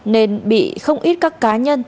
nên bị không ít các cá nhân